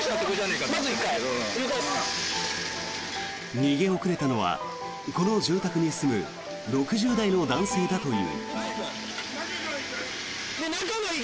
逃げ遅れたのはこの住宅に住む６０代の男性だという。